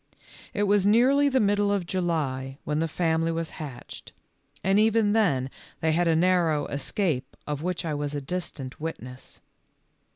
It was nearly the middle of July when the family was hatched, and even then they had a narrow escape of which I was a distant witness.